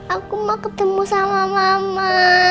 aku mau ketemu sama mama